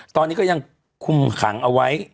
ตอนนี้ก็ยังคุมขังเอาไว้